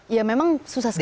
ya memang susah sekali